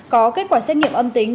có kết quả xét nghiệm âm tính